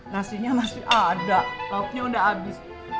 nasinya masih ada lauknya udah habis